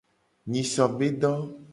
Nyiso be do.